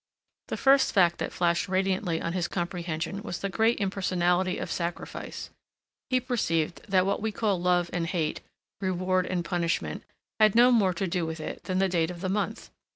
The first fact that flashed radiantly on his comprehension was the great impersonality of sacrifice—he perceived that what we call love and hate, reward and punishment, had no more to do with it than the date of the month.